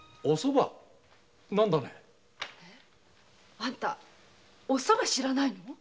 あんたおソバ知らないの？